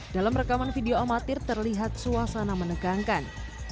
dalam rekaman video amatir terlihat suasana menegangkan